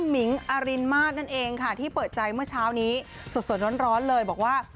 มิงอรินมาสนั่นเองค่ะที่เปิดใจเมื่อเช้านี้สดร้อนเลยบอกว่า